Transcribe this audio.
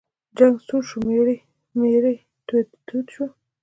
جنګ سوړ شو، میری تود شو.